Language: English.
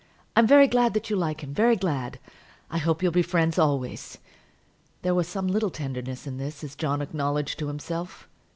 I'm very glad you like him; very glad. I hope you'll be friends always." There was some little tenderness in this, as John acknowledged to himself.